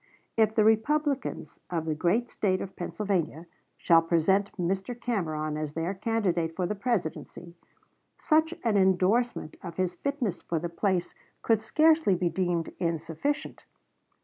If the Republicans of the great State of Pennsylvania shall present Mr. Cameron as their candidate for the Presidency, such an indorsement of his fitness for the place could scarcely be deemed insufficient.